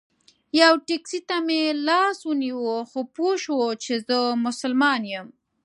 یوه ټیکسي ته مې لاس ونیو خو پوی شو چې زه مسلمان یم.